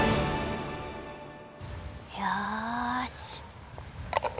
よし。